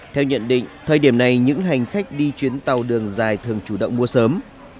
theo nhận định thời điểm này những hành khách đi chuyến tàu đường dài thường chủ động mua sớm